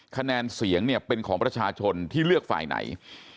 คะแนนเสียงเนี่ยเป็นของประชาชนที่เลือกฝ่ายไหน